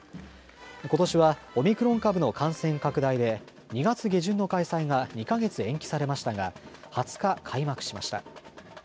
ことしはオミクロン株の感染拡大で２月下旬の開催が２か月延期されましたが２０日、開幕しました。